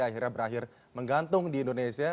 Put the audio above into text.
akhirnya berakhir menggantung di indonesia